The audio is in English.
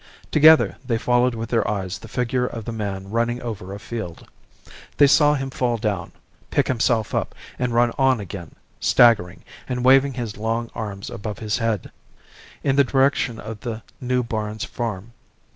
Together they followed with their eyes the figure of the man running over a field; they saw him fall down, pick himself up, and run on again, staggering and waving his long arms above his head, in the direction of the New Barns Farm.